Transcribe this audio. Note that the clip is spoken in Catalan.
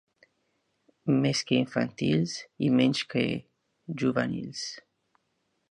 Més que infantils i menys que juvenils.